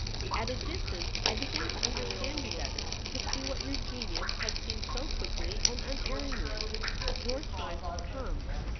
At a distance, I began to understand you better — to see what your genius had seen so quickly and un erringly. Your time had come.